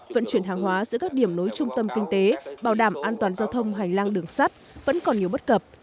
vận chuyển hàng hóa giữa các điểm nối trung tâm kinh tế bảo đảm an toàn giao thông hành lang đường sắt vẫn còn nhiều bất cập